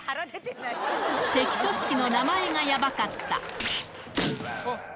敵組織の名前がやばかった。